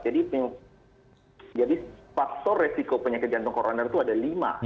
jadi faktor risiko penyakit jantung koroner itu ada lima